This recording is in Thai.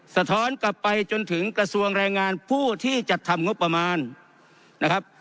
สะท้อนกลับไปจนถึงกระทรวงแรงงานผู้ที่จัดทำงบประมาณนะครับ